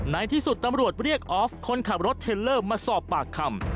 ในที่สุดตำรวจเรียกออฟคนขับรถเทลเลอร์มาสอบปากคำ